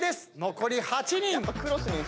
残り８人。